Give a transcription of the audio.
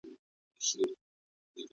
جګړه یوازې ویجاړي راوړي.